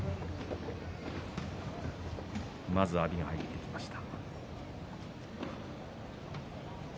まず阿炎が入ってきました。